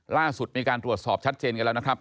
ล่าสุดมีการตรวจสอบชัดเจนกันแล้วนะครับ